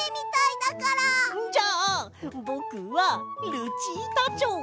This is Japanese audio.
じゃあぼくは「ルチータチョウ」。